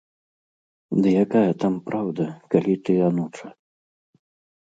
Ды якая там праўда, калі ты ануча.